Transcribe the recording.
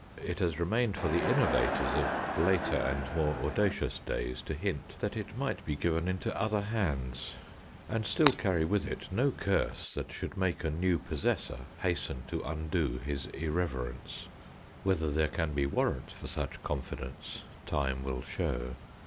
It has remained for the innovators of later and more audacious days to hint that it might be given into other hands, and still carry with it no curse that should make a new possessor hasten to undo his irreverence. Whether there can be warrant for such confidence, time will show.